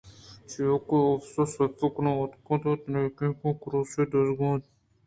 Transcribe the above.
چیاکہ آ شپاں سرٛاپ کناں ءَ اتک ءُ آئی ءِنکینک ءُ کُرُوسے دزّ اِت ءُ بُرتاں